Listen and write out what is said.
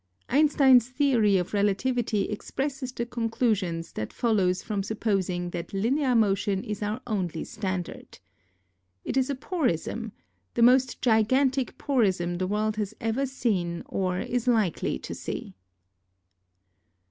Einstein's theory of relativity expresses the conclusions that follow from supposing that linear motion is our only standard. It is a porism — the most gigantic porism the worjd has ever seen or is likely to see.